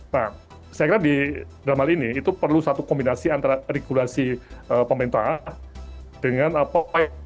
nah saya kira di dalam hal ini itu perlu satu kombinasi antara regulasi pemerintah dengan apa yang